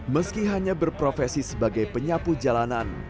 meski hanya berprofesi sebagai penyapu jalanan